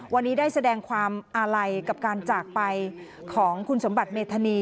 วันนี้ได้แสดงความอาลัยกับการจากไปของคุณสมบัติเมธานี